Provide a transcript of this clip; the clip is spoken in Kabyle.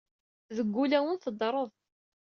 Deg wulawen teddreḍ.